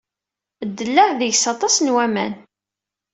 Ddellaɛ deg-s aṭas n waman.